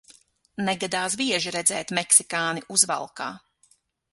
Negadās bieži redzēt meksikāni uzvalkā.